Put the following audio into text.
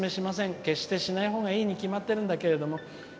決してしないほうがいいに決まってるんだけども